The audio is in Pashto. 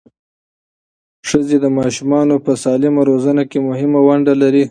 ښځې د ماشومانو په سالمه روزنه کې مهمه ونډه لري.